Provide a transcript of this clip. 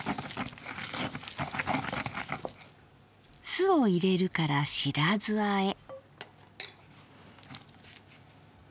酢を入れるから白酢あえ。